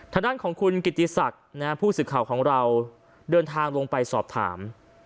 ทางด้านของคุณกิติศักดิ์ผู้สื่อข่าวของเราเดินทางลงไปสอบถาม